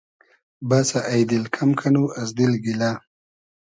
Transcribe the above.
بئسۂ اݷ دیل کئم کئنو از دیل گیلۂ